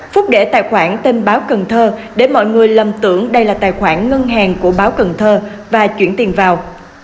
phúc để tài khoản tên báo cần thơ để mọi người lầm tưởng đây là tài khoản ngân hàng của báo cần thơ và chuyển tiền vào